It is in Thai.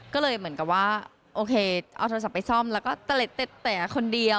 ก็เลยเหมือนกับว่าโอเคเอาโทรศัพท์ไปซ่อมแล้วก็เต็ดแต่คนเดียว